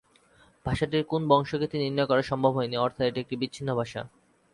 ভাষাটির কোন বংশগতি নির্ণয় করা সম্ভব হয়নি, অর্থাৎ এটি একটি বিচ্ছিন্ন ভাষা।